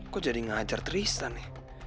kok jadi ngajar tristan ya